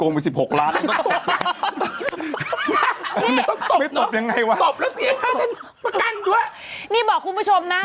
นี่บอกดูเป็นคุณผู้ชมนะ